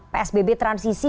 ini psbb transisi